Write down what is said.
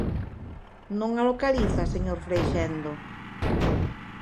¿Non a localiza, señor Freixendo?